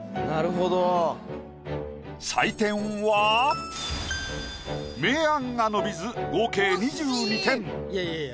採点は明暗が伸びず合計２２点。